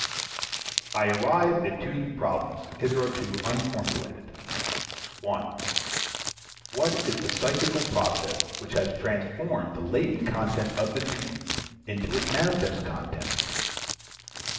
I arrive at two new problems hitherto unformulated: (1) What is the psychical process which has transformed the latent content of the dream into its manifest content?